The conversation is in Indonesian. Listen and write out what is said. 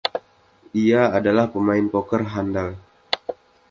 Ia adalah pemain poker andal.